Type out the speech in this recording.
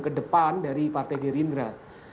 ke depan dari partai gerindra